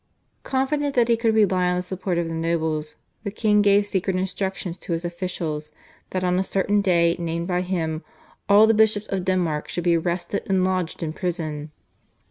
Confident that he could rely on the support of the nobles, the king gave secret instructions to his officials that on a certain day named by him all the bishops of Denmark should be arrested and lodged in prison.